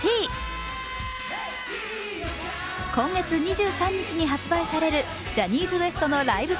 今月、２３日に発売されるジャニーズＷＥＳＴのライブＤＶＤ